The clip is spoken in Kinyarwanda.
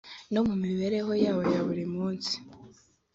no mumibereho yabo ya buri munsi